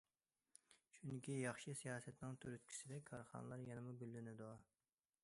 چۈنكى ياخشى سىياسەتنىڭ تۈرتكىسىدە كارخانىلار يەنىمۇ گۈللىنىدۇ.